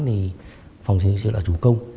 thì phòng sinh sĩ là chủ công